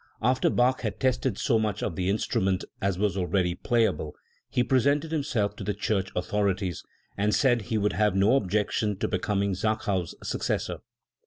After Bach had tested so much of the instrument as was already playable, he presented himself to the church authorities and said he would have no objection to becom ing Zachau's successor.